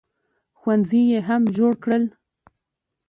ښوونځي یې هم جوړ کړل.